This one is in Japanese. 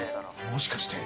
もしかして。